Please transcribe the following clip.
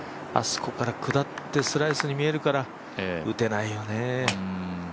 あそこから下ってスライスに見えるから打てないよね。